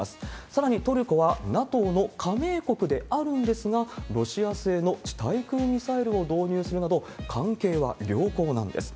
さらにトルコはＮＡＴＯの加盟国であるんですが、ロシア製の地対空ミサイルを導入するなど、関係は良好なんです。